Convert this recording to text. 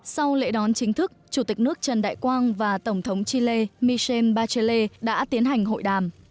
sau lễ đón chính thức chủ tịch nước trần đại quang và tổng thống chile michel bachelle đã tiến hành hội đàm